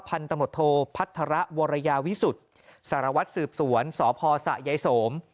พันธมตโทพัฒระวรยาวิสุทธิ์สารวัตรสืบสวนสพสะยายสม